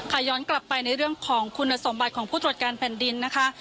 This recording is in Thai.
ย้อนกลับไปในเรื่องของคุณสมบัติของผู้ตรวจการแผ่นดินนะคะ